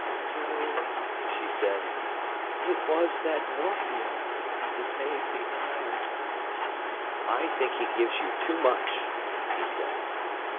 "No," she said, "it was that morphia; it made me tired." "I think he gives you too much," he said.